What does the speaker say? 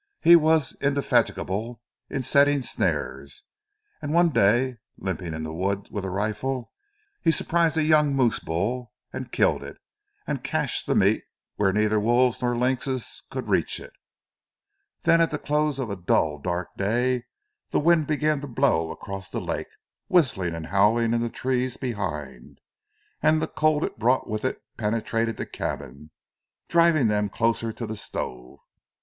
He was indefatigable in setting snares, and one day, limping in the wood with a rifle, he surprised a young moose bull and killed it, and cached the meat where neither the wolves nor the lynxes could reach it. Then at the close of a dull, dark day the wind began to blow across the lake, whistling and howling in the trees behind, and the cold it brought with it penetrated the cabin, driving them closer to the stove.